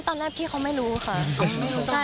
ตอนแรกพี่เขาไม่รู้ค่ะ